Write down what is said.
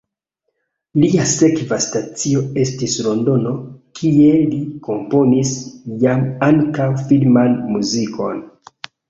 Lia sekva stacio estis Londono, kie li komponis jam ankaŭ filman muzikon.